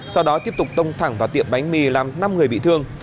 sau đó tiếp tục tông thẳng vào tiệm bánh mì làm năm người bị thương